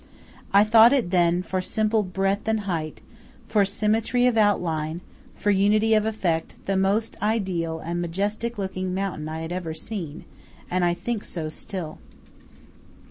I thought it then, for simple breadth and height, for symmetry of outline, for unity of effect, the most ideal and majestic looking mountain I had ever seen; and I think so still.